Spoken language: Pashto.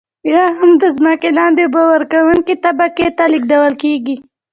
یا هم د ځمکې لاندې اوبه ورکونکې طبقې ته لیږدول کیږي.